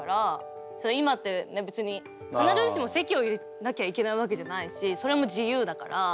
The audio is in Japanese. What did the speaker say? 今って別に必ずしも籍を入れなきゃいけないわけじゃないしそれも自由だから。